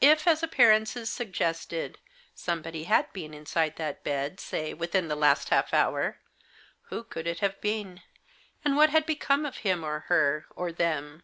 If, as appearances suggested, somebody had been inside that bed, say, within the last half hour, who could it have been ? and what had become of him or her, or them?